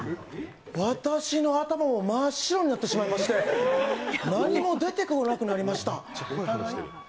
私の頭も真っ白になってしまいまして何もできなくなってしまいました。